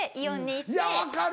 いや分かる。